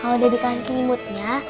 kalau debbie kasih selimutnya